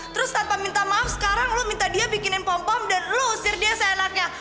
terus tanpa minta maaf sekarang lo minta dia bikinin pom pom dan lo usir dia seenaknya